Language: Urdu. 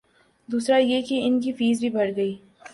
دوسرا یہ کہ ان کی فیس بھی بڑھ گئی۔